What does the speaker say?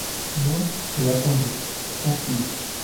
Moi, je l'attendais, tranquille.